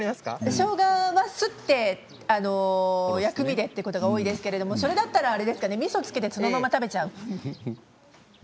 しょうがはすって薬味を入れていることが多いですけれども、それだったらそのままみそをつけるそのまま食べちゃう。